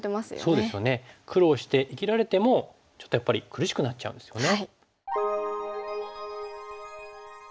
そうですよね苦労して生きられてもちょっとやっぱり苦しくなっちゃうんですよね。